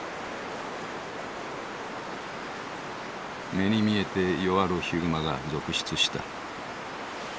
目に見えて弱るヒグマが続出した。